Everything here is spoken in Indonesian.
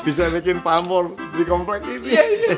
bisa bikin pamor di komplek ini